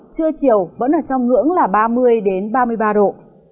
trưa chiều vẫn ở trong ngưỡng là ba mươi ba mươi ba độ